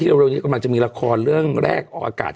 เร็วนี้กำลังจะมีละครเรื่องแรกออกอากาศ